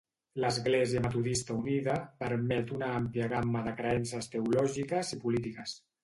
L'Església Metodista Unida permet una àmplia gamma de creences teològiques i polítiques.